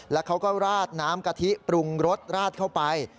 แล้วเขาก็ราดน้ำกะทิปรุงรสราดเข้าไป